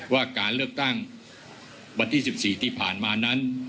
ว่าการเลือกตั้งวันที่๑๔ที่ผ่านมานั้น